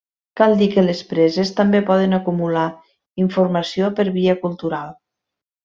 Cal dir que les preses també poden acumular informació per via cultural.